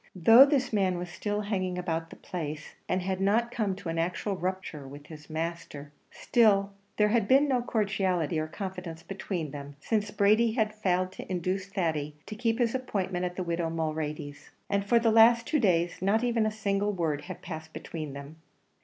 Though this man was still hanging about the place, and had not come to an actual rupture with his master, still there had been no cordiality or confidence between them since Brady had failed to induce Thady to keep his appointment at the widow Mulready's; and for the last two days not even a single word had passed between them.